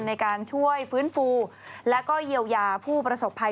ในการช่วยฟื้นฟูและก็เยียวยาผู้ประสบภัย